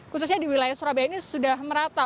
khususnya di wilayah surabaya ini sudah merata